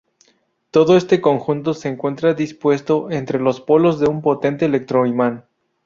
Todo este conjunto se encuentra dispuesto entre los polos de un potente electroimán.